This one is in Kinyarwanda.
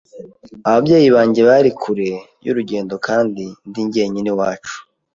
Ababyeyi banjye bari kure y'urugendo kandi ndi jyenyine iwacu.